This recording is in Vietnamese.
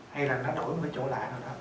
hay là nó đổi một cái chỗ lại